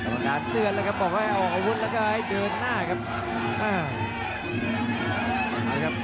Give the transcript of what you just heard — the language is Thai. ออกอาวุธแล้วก็ให้เดินหน้าครับ